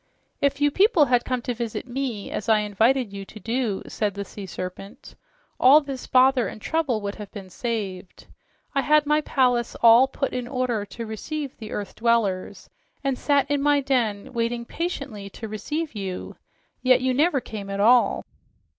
"If you people had come to visit me as I invited you to do," said the Sea Serpent, "all this bother and trouble would have been saved. I had my palace put in order to receive the earth dwellers and sat in my den waiting patiently to receive you. Yet you never came at all."